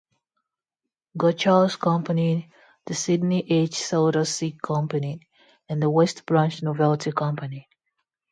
Godcharles Company, the Sydney H. Souter Silk Company, and the West Branch Novelty Company.